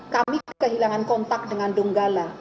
kami kehilangan kontak dengan donggala